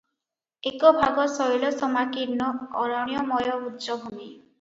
ଏକ ଭାଗ ଶୈଳସମାକୀର୍ଣ୍ଣ ଅରଣ୍ୟମୟ ଉଚ୍ଚଭୂମି ।